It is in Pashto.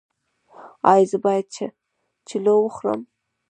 ایا زه باید چلو وخورم؟